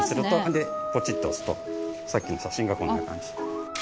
でポチッと押すとさっきの写真がこんな感じに。